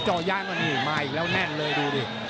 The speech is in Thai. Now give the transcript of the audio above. ย้ายมานี่มาอีกแล้วแน่นเลยดูดิ